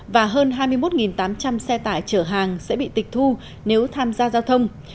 và hơn hai mươi một tám trăm linh xe tải chở hàng sẽ bị tịch thu nếu tham gia giao thông